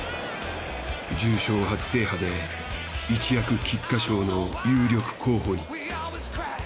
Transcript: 重賞初制覇で一躍菊花賞の有力候補に。